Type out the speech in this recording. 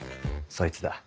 そいつだ